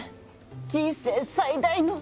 人生最大の。